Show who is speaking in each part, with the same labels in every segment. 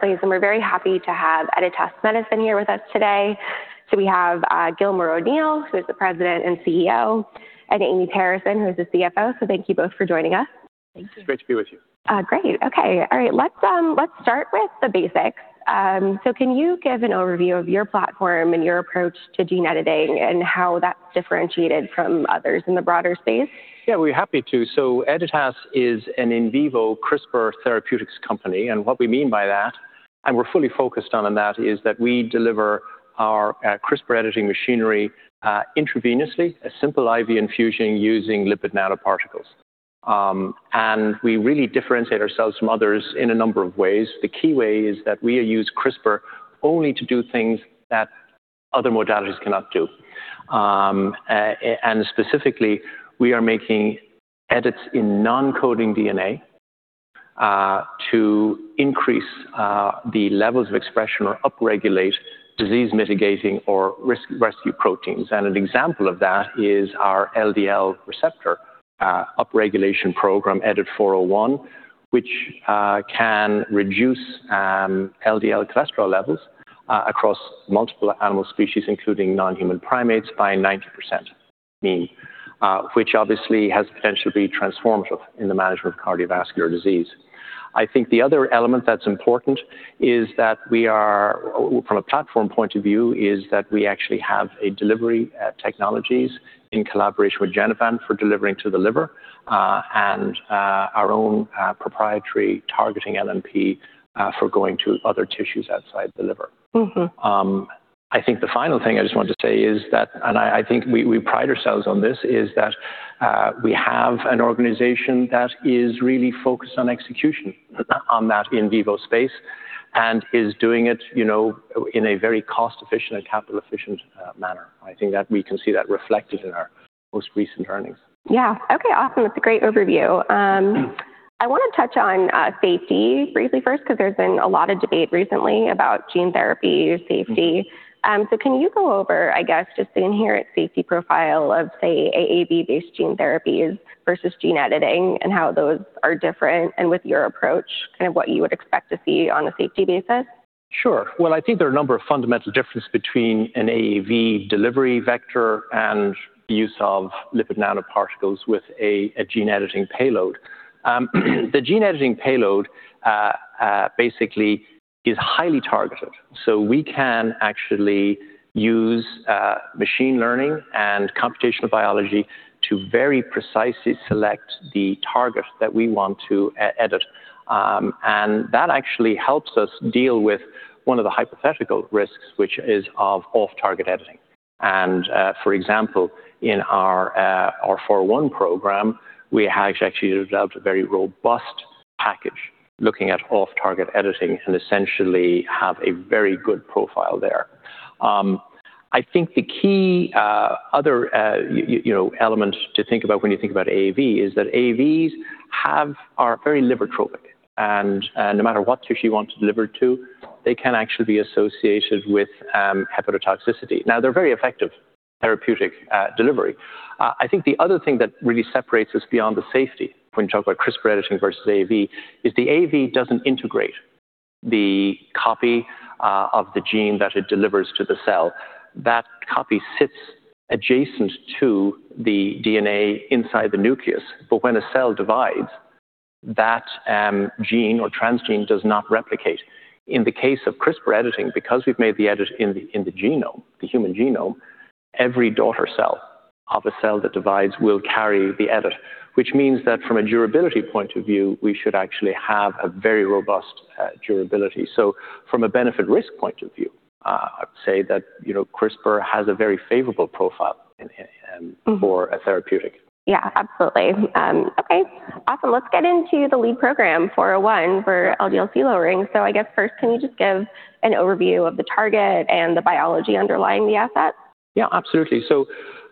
Speaker 1: Please. We're very happy to have Editas Medicine here with us today. We have Gilmore O'Neill, who is the President and CEO, and Amy Parison, who is the CFO. Thank you both for joining us.
Speaker 2: Thank you.
Speaker 3: It's great to be with you.
Speaker 1: Great. Okay. All right. Let's start with the basics. So can you give an overview of your platform and your approach to gene editing and how that's differentiated from others in the broader space?
Speaker 3: Yeah, we're happy to. Editas is an in vivo CRISPR therapeutics company, and what we mean by that, and we're fully focused on that, is that we deliver our CRISPR editing machinery intravenously, a simple IV infusion using lipid nanoparticles. And we really differentiate ourselves from others in a number of ways. The key way is that we use CRISPR only to do things that other modalities cannot do. And specifically, we are making edits in non-coding DNA to increase the levels of expression or upregulate disease mitigating or risk rescue proteins. And an example of that is our LDL receptor upregulation program, EDIT-401, which can reduce LDL cholesterol levels across multiple animal species, including non-human primates, by 90% mean, which obviously has potentially transformative in the management of cardiovascular disease. I think the other element that's important is that from a platform point of view, we actually have a delivery technologies in collaboration with Genevant for delivering to the liver, and our own proprietary targeting LNP for going to other tissues outside the liver.
Speaker 1: Mm-hmm.
Speaker 3: I think the final thing I just wanted to say is that we pride ourselves on this, that we have an organization that is really focused on execution on that in vivo space and is doing it, you know, in a very cost-efficient and capital-efficient manner. I think that we can see that reflected in our most recent earnings.
Speaker 1: Yeah. Okay. Awesome. That's a great overview. I want to touch on safety briefly first, because there's been a lot of debate recently about gene therapy safety. Can you go over, I guess, just the inherent safety profile of, say, AAV-based gene therapies versus gene editing and how those are different and with your approach, kind of what you would expect to see on a safety basis?
Speaker 3: Sure. Well, I think there are a number of fundamental differences between an AAV delivery vector and the use of lipid nanoparticles with a gene-editing payload. The gene-editing payload basically is highly targeted. So we can actually use machine learning and computational biology to very precisely select the target that we want to edit. And that actually helps us deal with one of the hypothetical risks, which is off-target editing. For example, in our EDIT-401 program, we have actually developed a very robust package looking at off-target editing and essentially have a very good profile there. I think the key other you know element to think about when you think about AAV is that AAVs are very liver tropic. No matter what tissue you want it delivered to, they can actually be associated with hepatotoxicity. Now, they're very effective therapeutic delivery. I think the other thing that really separates us beyond the safety when you talk about CRISPR editing versus AAV is the AAV doesn't integrate the copy of the gene that it delivers to the cell. That copy sits adjacent to the DNA inside the nucleus, but when a cell divides, that gene or transgene does not replicate. In the case of CRISPR editing, because we've made the edit in the genome, the human genome, every daughter cell of a cell that divides will carry the edit, which means that from a durability point of view, we should actually have a very robust durability. From a benefit-risk point of view, I would say that, you know, CRISPR has a very favorable profile in.
Speaker 1: Mm-hmm.
Speaker 3: for a therapeutic.
Speaker 1: Yeah, absolutely. Okay. Awesome. Let's get into the lead program, 401, for LDL-C lowering. I guess first, can you just give an overview of the target and the biology underlying the asset?
Speaker 3: Yeah, absolutely.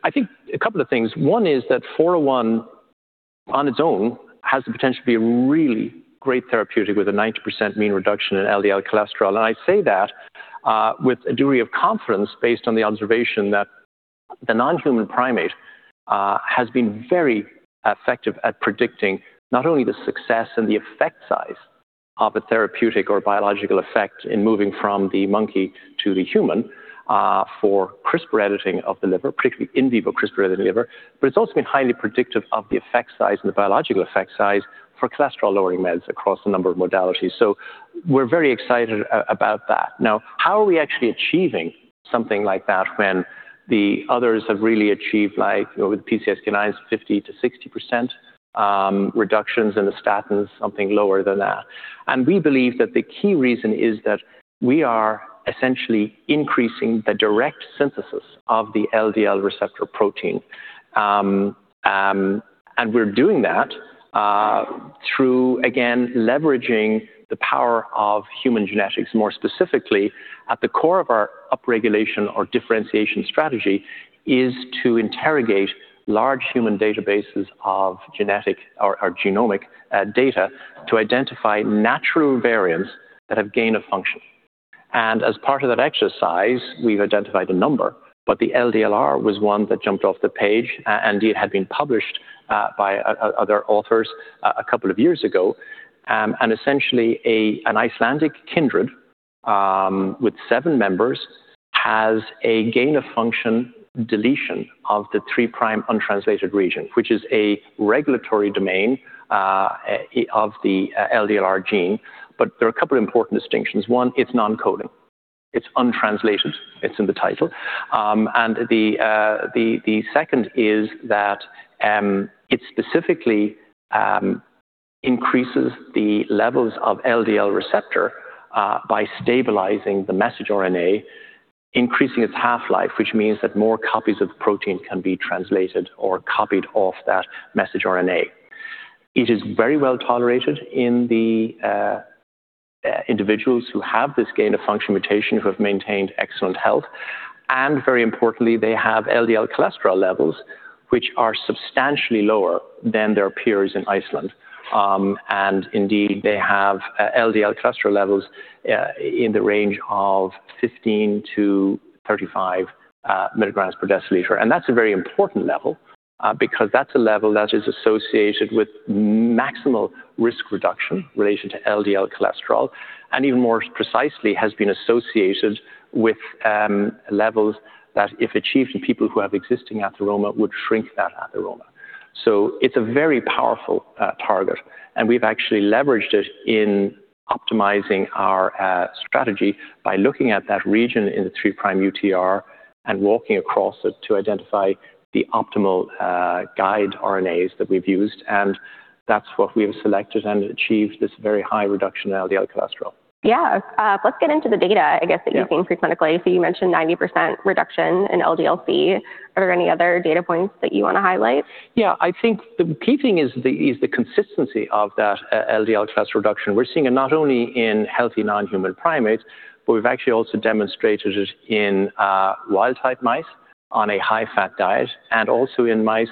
Speaker 3: I think a couple of things. One is that EDIT-401 on its own has the potential to be a really great therapeutic with a 90% mean reduction in LDL cholesterol. I say that with a degree of confidence based on the observation that the non-human primate has been very effective at predicting not only the success and the effect size of a therapeutic or biological effect in moving from the monkey to the human for CRISPR editing of the liver, particularly in vivo CRISPR editing liver. It's also been highly predictive of the effect size and the biological effect size for cholesterol-lowering meds across a number of modalities. We're very excited about that. Now, how are we actually achieving something like that when the others have really achieved, like with PCSK9, 50%-60% reductions in the statins, something lower than that? We believe that the key reason is that we are essentially increasing the direct synthesis of the LDL receptor protein. We're doing that through, again, leveraging the power of human genetics. More specifically, at the core of our upregulation or differentiation strategy is to interrogate large human databases of genetic or genomic data to identify natural variants that have gain of function. As part of that exercise, we've identified a number, but the LDLR was one that jumped off the page, and indeed had been published by other authors a couple of years ago. Essentially an Icelandic kindred with seven members has a gain-of-function deletion of the three prime untranslated region, which is a regulatory domain of the LDLR gene. There are a couple of important distinctions. One, it's non-coding. It's untranslated, it's in the title. The second is that it specifically increases the levels of LDL receptor by stabilizing the messenger RNA, increasing its half-life, which means that more copies of the protein can be translated or copied off that messenger RNA. It is very well tolerated in the individuals who have this gain-of-function mutation, who have maintained excellent health. Very importantly, they have LDL cholesterol levels which are substantially lower than their peers in Iceland. Indeed, they have LDL cholesterol levels in the range of 15 mg/dL-35 mg/dL. That's a very important level, because that's a level that is associated with maximal risk reduction in relation to LDL cholesterol, and even more precisely, has been associated with levels that if achieved in people who have existing atheroma would shrink that atheroma. It's a very powerful target, and we've actually leveraged it in optimizing our strategy by looking at that region in the three prime UTR and walking across it to identify the optimal guide RNAs that we've used. That's what we have selected and achieved this very high reduction in LDL cholesterol.
Speaker 1: Yeah. Let's get into the data, I guess, that you've seen pre-clinically. You mentioned 90% reduction in LDL-C. Are there any other data points that you want to highlight?
Speaker 3: Yeah. I think the key thing is the consistency of that LDL cholesterol reduction. We're seeing it not only in healthy non-human primates, but we've actually also demonstrated it in wild-type mice on a high-fat diet and also in mice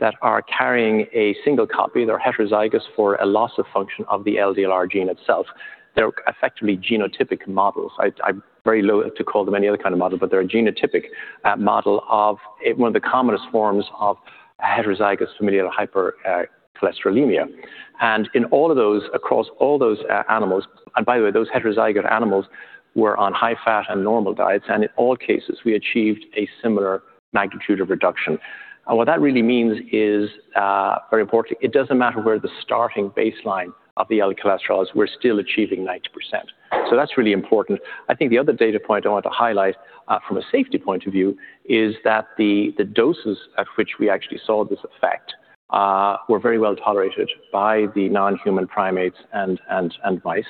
Speaker 3: that are carrying a single copy. They're heterozygous for a loss of function of the LDLR gene itself. They're effectively genotypic models. I'm very loath to call them any other kind of model, but they're a genotypic model of one of the commonest forms of heterozygous familial hypercholesterolemia. In all of those, across all those animals, and by the way, those heterozygous animals were on high-fat and normal diets, and in all cases, we achieved a similar magnitude of reduction. What that really means is, very importantly, it doesn't matter where the starting baseline of the LDL cholesterol is, we're still achieving 90%. That's really important. I think the other data point I want to highlight, from a safety point of view is that the doses at which we actually saw this effect were very well tolerated by the non-human primates and mice.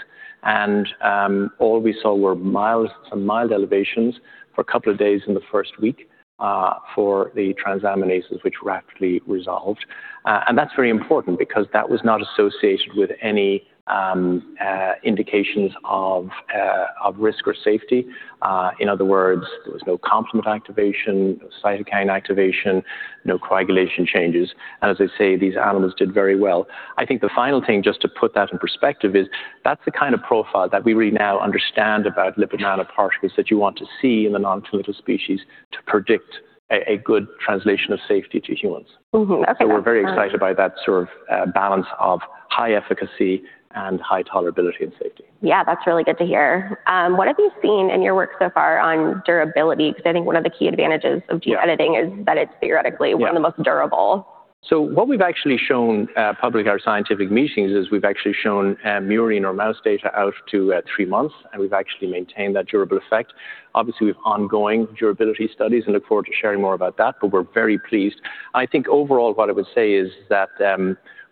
Speaker 3: All we saw were some mild elevations for a couple of days in the first week for the transaminases, which rapidly resolved. That's very important because that was not associated with any indications of risk or safety. In other words, there was no complement activation, cytokine activation, no coagulation changes. As I say, these animals did very well. I think the final thing, just to put that in perspective, is that's the kind of profile that we really now understand about lipid nanoparticle that you want to see in the non-clinical species to predict a good translation of safety to humans.
Speaker 1: Mm-hmm. Okay.
Speaker 3: We're very excited by that sort of balance of high efficacy and high tolerability and safety.
Speaker 1: Yeah, that's really good to hear. What have you seen in your work so far on durability? Because I think one of the key advantages of gene editing is that it's theoretically one of the most durable.
Speaker 3: What we've actually shown publicly at our scientific meetings is we've actually shown murine or mouse data out to three months, and we've actually maintained that durable effect. Obviously, we have ongoing durability studies and look forward to sharing more about that, but we're very pleased. I think overall what I would say is that,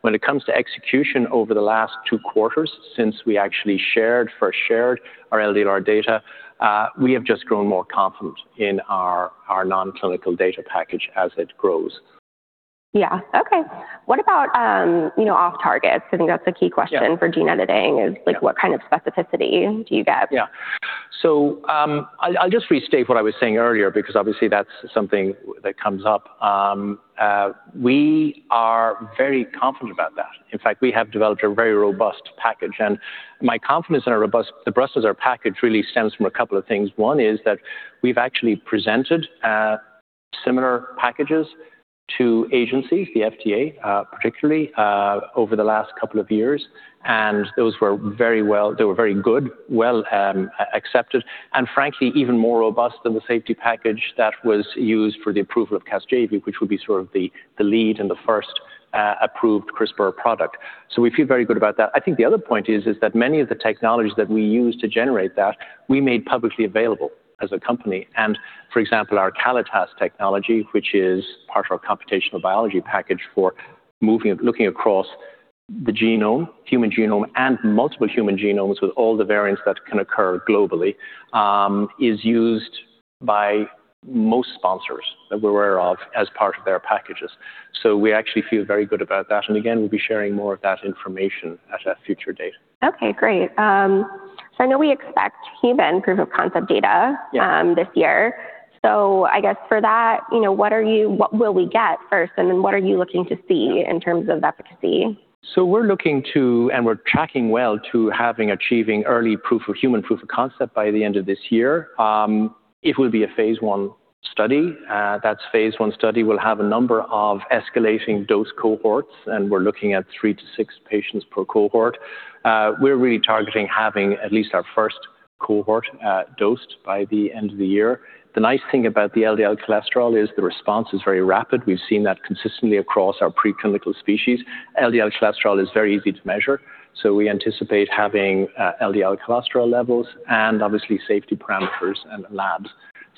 Speaker 3: when it comes to execution over the last two quarters, since we first shared our LDLR data, we have just grown more confident in our non-clinical data package as it grows.
Speaker 1: Yeah. Okay. What about, you know, off-targets? I think that's a key question for gene editing is like what kind of specificity do you get?
Speaker 3: Yeah. I'll just restate what I was saying earlier because obviously that's something that comes up. We are very confident about that. In fact, we have developed a very robust package, and my confidence in the robustness of our package really stems from a couple of things. One is that we've actually presented similar packages to agencies, the FDA, particularly, over the last couple of years. Those were very good, well, accepted, and frankly, even more robust than the safety package that was used for the approval of Casgevy, which would be sort of the lead and the first approved CRISPR product. We feel very good about that. I think the other point is that many of the technologies that we use to generate that we made publicly available as a company. For example, our CALITAS technology, which is part of our computational biology package for looking across the genome, human genome, and multiple human genomes with all the variants that can occur globally, is used by most sponsors that we're aware of as part of their packages. So we actually feel very good about that. Again, we'll be sharing more of that information at a future date.
Speaker 1: Okay, great. I know we expect human proof-of-concept data.
Speaker 3: Yeah.
Speaker 1: this year. I guess for that, you know, what will we get first, and then what are you looking to see in terms of efficacy?
Speaker 3: We're looking to, and we're tracking well to achieving early human proof of concept by the end of this year. It will be a phase I study. That phase 1 study will have a number of escalating dose cohorts, and we're looking at three to six patients per cohort. We're really targeting having at least our first cohort dosed by the end of the year. The nice thing about the LDL cholesterol is the response is very rapid. We've seen that consistently across our preclinical species. LDL cholesterol is very easy to measure, so we anticipate having LDL cholesterol levels and obviously safety parameters and labs.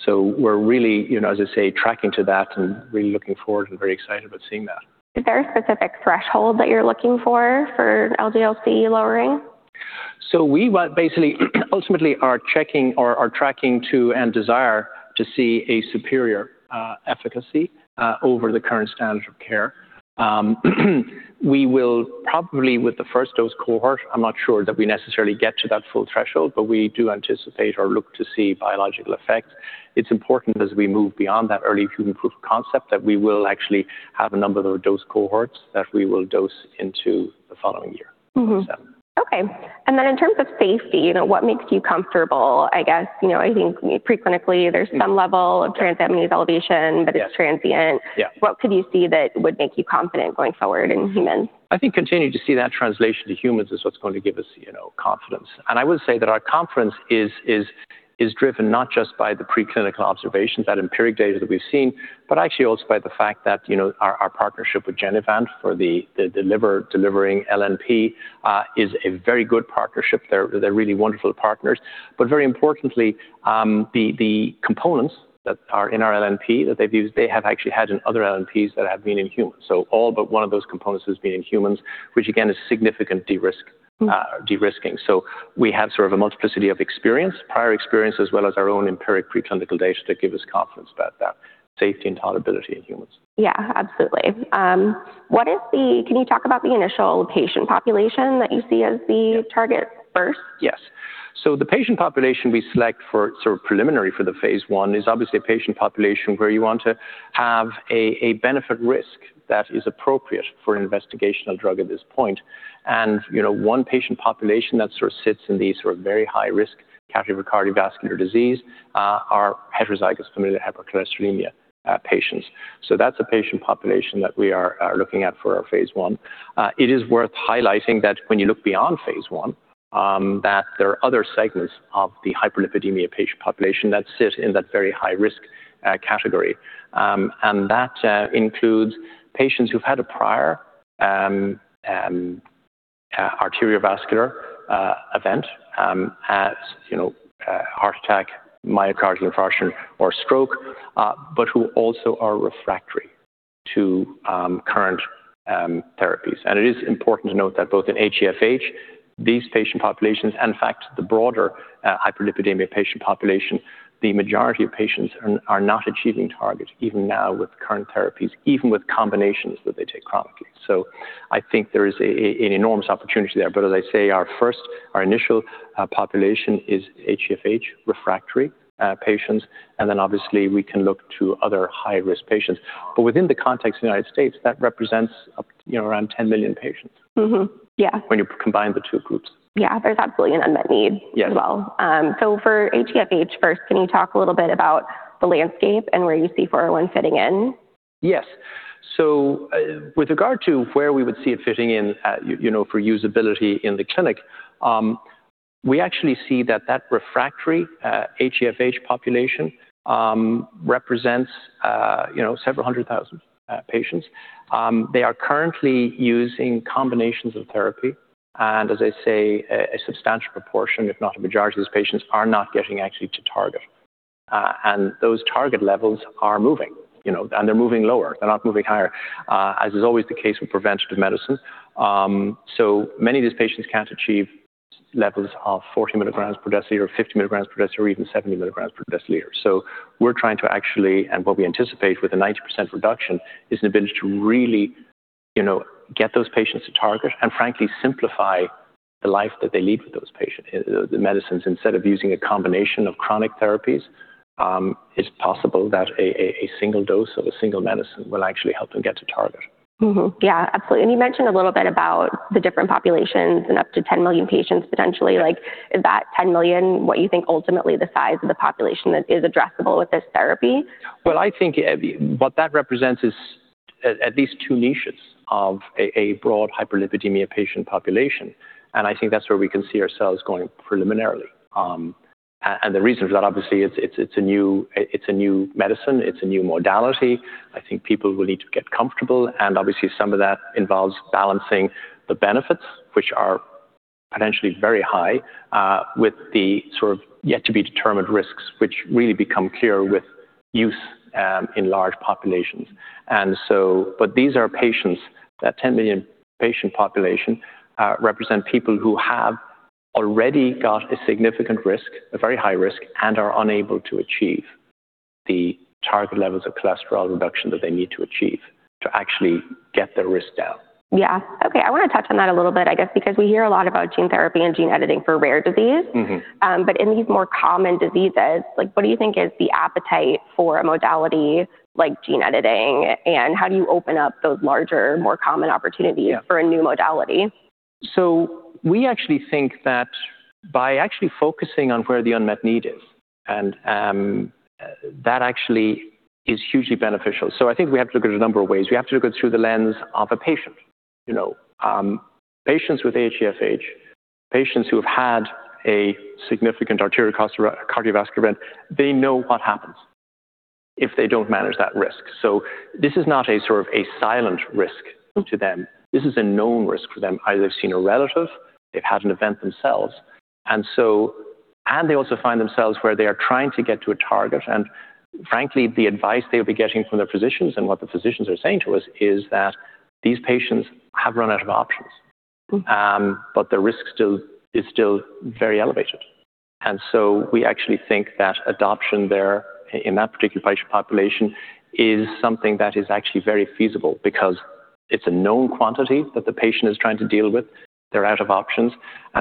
Speaker 3: We're really, you know, as I say, tracking to that and really looking forward and very excited about seeing that.
Speaker 1: Is there a specific threshold that you're looking for for LDL-C lowering?
Speaker 3: We basically ultimately are checking or are tracking to and desire to see a superior efficacy over the current standard of care. We will probably with the first dose cohort, I'm not sure that we necessarily get to that full threshold, but we do anticipate or look to see biological effects. It's important as we move beyond that early human proof of concept that we will actually have a number of those cohorts that we will dose into the following year.
Speaker 1: In terms of safety, you know, what makes you comfortable? I guess, you know, I think preclinically, there's some level of transaminase elevation.
Speaker 3: Yes.
Speaker 1: It's transient.
Speaker 3: Yeah.
Speaker 1: What could you see that would make you confident going forward in humans?
Speaker 3: I think continuing to see that translation to humans is what's going to give us, you know, confidence. I would say that our confidence is driven not just by the preclinical observations, that empirical data that we've seen, but actually also by the fact that, you know, our partnership with Genevant for the delivering LNP is a very good partnership. They're really wonderful partners. Very importantly, the components that are in our LNP that they've used, they have actually had in other LNPs that have been in humans. All but one of those components has been in humans, which again is significant de-risking. We have sort of a multiplicity of experience, prior experience, as well as our own empirical preclinical data to give us confidence about that safety and tolerability in humans.
Speaker 1: Yeah, absolutely. Can you talk about the initial patient population that you see as the target first?
Speaker 3: Yes. The patient population we select for sort of preliminary for the phase one is obviously a patient population where you want to have a benefit risk that is appropriate for an investigational drug at this point. You know, one patient population that sort of sits in these sort of very high-risk category for cardiovascular disease are heterozygous familial hypercholesterolemia patients. That's a patient population that we are looking at for our phase one. It is worth highlighting that when you look beyond phase one, that there are other segments of the hyperlipidemia patient population that sit in that very high-risk category. That includes patients who've had a prior cardiovascular event, as you know, heart attack, myocardial infarction, or stroke, but who also are refractory to current therapies. It is important to note that both in HeFH, these patient populations, and in fact, the broader hyperlipidemia patient population, the majority of patients are not achieving target even now with current therapies, even with combinations that they take chronically. I think there is an enormous opportunity there. As I say, our first, our initial population is HeFH refractory patients, and then obviously we can look to other high-risk patients. Within the context of the United States, that represents, you know, around 10 million patients.
Speaker 1: Mm-hmm. Yeah.
Speaker 3: When you combine the two groups.
Speaker 1: Yeah. There's absolutely an unmet need as well.
Speaker 3: Yes.
Speaker 1: For HeFH first, can you talk a little bit about the landscape and where you see EDIT-401 fitting in?
Speaker 3: Yes. With regard to where we would see it fitting in, you know, for usability in the clinic, we actually see that refractory HEFH population represents, you know, several hundred thousand patients. They are currently using combinations of therapy. As I say, a substantial proportion, if not a majority of these patients are not getting actually to target. And those target levels are moving, you know, and they're moving lower. They're not moving higher, as is always the case with preventative medicines. Many of these patients can't achieve levels of 40 mg/dL or 50 mg/dL or even 70 milligrams per deciliter. We're trying to actually, and what we anticipate with a 90% reduction, is an ability to really, you know, get those patients to target and frankly, simplify the life that they lead for those patients. The medicines, instead of using a combination of chronic therapies, it's possible that a single dose of a single medicine will actually help them get to target.
Speaker 1: Mm-hmm. Yeah. Absolutely. You mentioned a little bit about the different populations and up to 10 million patients potentially.
Speaker 3: Yes.
Speaker 1: Like, is that 10 million what you think ultimately the size of the population that is addressable with this therapy?
Speaker 3: Well, I think what that represents is at least two niches of a broad hyperlipidemia patient population. I think that's where we can see ourselves going preliminarily. The reason for that, obviously, it's a new medicine, it's a new modality. I think people will need to get comfortable, and obviously some of that involves balancing the benefits, which are potentially very high, with the sort of yet to be determined risks, which really become clear with use, in large populations. These are patients that 10 million patient population represent people who have already got a significant risk, a very high risk, and are unable to achieve the target levels of cholesterol reduction that they need to achieve. To actually get the risk down.
Speaker 1: Yeah. Okay. I want to touch on that a little bit, I guess, because we hear a lot about gene therapy and gene editing for rare disease.
Speaker 3: Mm-hmm.
Speaker 1: In these more common diseases, like, what do you think is the appetite for a modality like gene editing, and how do you open up those larger, more common opportunities?
Speaker 3: Yeah.
Speaker 1: for a new modality?
Speaker 3: We actually think that by actually focusing on where the unmet need is, and that actually is hugely beneficial. I think we have to look at a number of ways. We have to look through the lens of a patient. You know, patients with HeFH, patients who have had a significant cardiovascular event, they know what happens if they don't manage that risk. This is not a sort of a silent risk to them. This is a known risk for them. Either they've seen a relative, they've had an event themselves. They also find themselves where they are trying to get to a target. And frankly, the advice they'll be getting from their physicians and what the physicians are saying to us is that these patients have run out of options. But the risk is still very elevated. We actually think that adoption there, in that particular patient population is something that is actually very feasible because it's a known quantity that the patient is trying to deal with. They're out of options.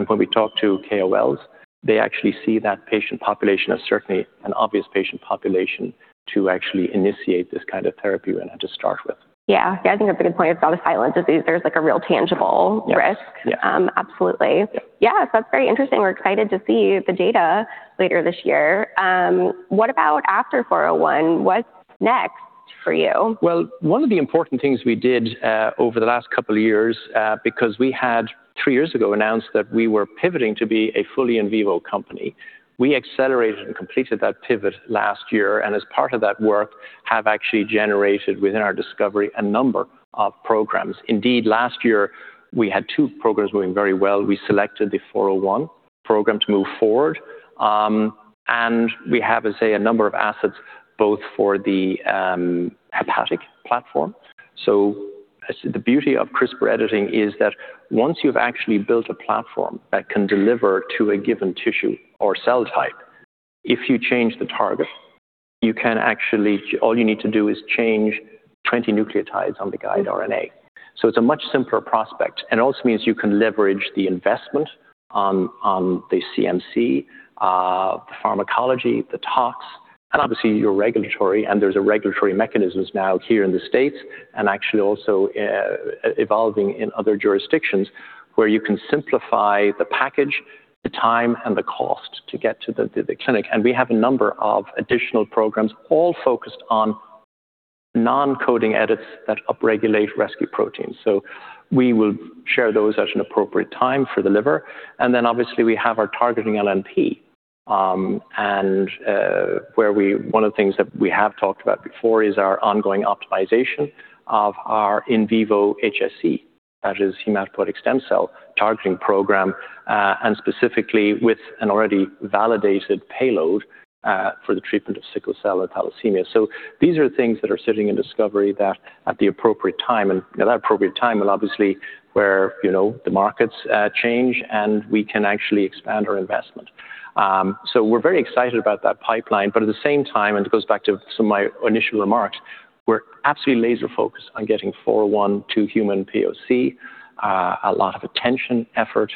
Speaker 3: When we talk to KOLs, they actually see that patient population as certainly an obvious patient population to actually initiate this kind of therapy to start with.
Speaker 1: Yeah. Yeah, I think that's a good point. It's not a silent disease. There's, like, a real tangible risk.
Speaker 3: Yeah. Yeah.
Speaker 1: Absolutely.
Speaker 3: Yeah.
Speaker 1: Yeah. That's very interesting. We're excited to see the data later this year. What about after EDIT-401? What's next for you?
Speaker 3: Well, one of the important things we did over the last couple of years, because we had three years ago announced that we were pivoting to be a fully in vivo company. We accelerated and completed that pivot last year, and as part of that work, have actually generated within our discovery a number of programs. Indeed, last year, we had two programs going very well. We selected the four zero one program to move forward, and we have, let's say, a number of assets both for the hepatic platform. So the beauty of CRISPR editing is that once you've actually built a platform that can deliver to a given tissue or cell type, if you change the target, you can actually, all you need to do is change 20 nucleotides on the guide RNA. It's a much simpler prospect, and it also means you can leverage the investment on the CMC, the pharmacology, the tox, and obviously your regulatory. There's a regulatory mechanisms now here in the States and actually also evolving in other jurisdictions where you can simplify the package, the time, and the cost to get to the clinic. We have a number of additional programs all focused on non-coding edits that upregulate rescue proteins. We will share those at an appropriate time for the liver. Obviously we have our targeting LNP, and one of the things that we have talked about before is our ongoing optimization of our in vivo HSC, that is hematopoietic stem cell targeting program, and specifically with an already validated payload, for the treatment of sickle cell or thalassemia. These are things that are sitting in discovery that at the appropriate time, and that appropriate time will obviously be where, you know, the markets change and we can actually expand our investment. We're very excited about that pipeline, but at the same time, and it goes back to some of my initial remarks, we're absolutely laser-focused on getting EDIT-401 to human POC, a lot of attention, effort,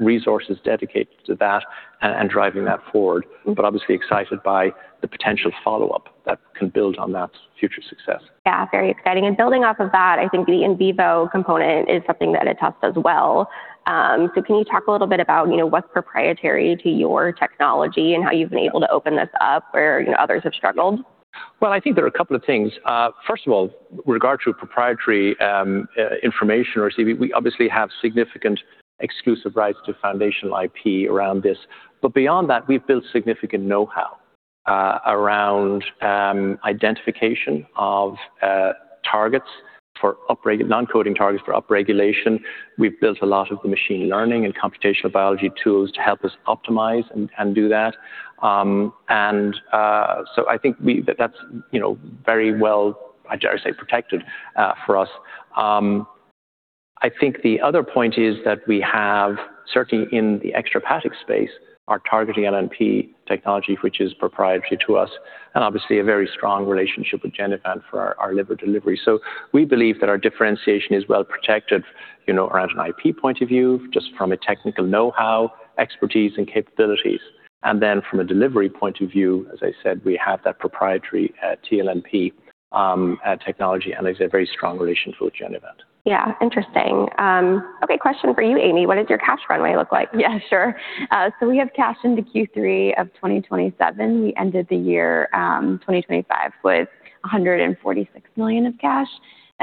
Speaker 3: resources dedicated to that and driving that forward. Obviously excited by the potential follow-up that can build on that future success.
Speaker 1: Yeah, very exciting. Building off of that, I think the in vivo component is something that Editas does well. So can you talk a little bit about, you know, what's proprietary to your technology and how you've been able to open this up where, you know, others have struggled?
Speaker 3: Well, I think there are a couple of things. First of all, with regard to proprietary information or IP, we obviously have significant exclusive rights to foundational IP around this. Beyond that, we've built significant know-how around identification of non-coding targets for upregulation. We've built a lot of the machine learning and computational biology tools to help us optimize and do that. I think that's, you know, very well, I dare say, protected for us. I think the other point is that we have, certainly in the extrahepatic space, our targeting LNP technology, which is proprietary to us, and obviously a very strong relationship with Genevant for our liver delivery. We believe that our differentiation is well protected, you know, around an IP point of view, just from a technical know-how, expertise, and capabilities. Then from a delivery point of view, as I said, we have that proprietary TLNP technology and as I say, a very strong relationship with Genevant.
Speaker 1: Yeah. Interesting. Okay, question for you, Amy. What does your cash runway look like?
Speaker 2: Yeah, sure. We have cash into Q3 of 2027. We ended the year, 2025 with $146 million of cash.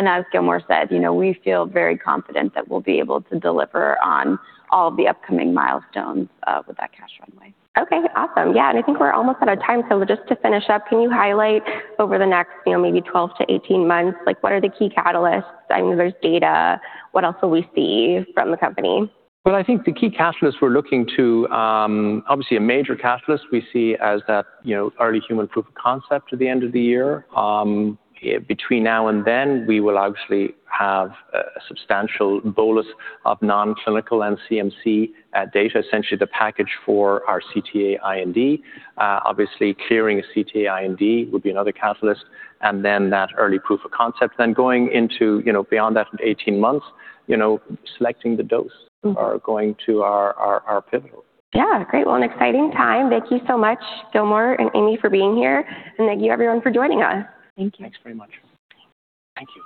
Speaker 2: As Gilmore said, you know, we feel very confident that we'll be able to deliver on all the upcoming milestones with that cash runway.
Speaker 1: Okay, awesome. Yeah, I think we're almost out of time. Just to finish up, can you highlight over the next, you know, maybe 12-18 months, like, what are the key catalysts? I mean, there's data. What else will we see from the company?
Speaker 3: Well, I think the key catalyst we're looking to, obviously, a major catalyst we see as that, you know, early human proof of concept at the end of the year. Between now and then, we will obviously have a substantial bolus of non-clinical and CMC data, essentially the package for our CTA/IND. Obviously, clearing a CTA/IND would be another catalyst, and then that early proof of concept. Then going into, you know, beyond that 18 months, you know, selecting the dose are going to our pivotal.
Speaker 1: Yeah. Great. Well, an exciting time. Thank you so much, Gilmore and Amy, for being here, and thank you, everyone, for joining us.
Speaker 2: Thank you.
Speaker 3: Thanks very much. Thank you.